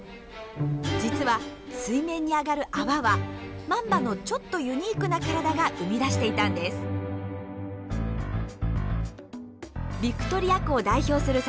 実は水面に上がる泡はマンバのちょっとユニークな体が生み出していたんです。